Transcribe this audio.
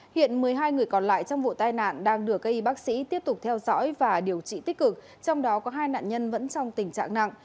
hiện một mươi hai người còn lại trong vụ tai nạn đang được cây y bác sĩ tiếp tục theo dõi và điều trị tích cực trong đó có hai nạn nhân vẫn trong tình trạng nặng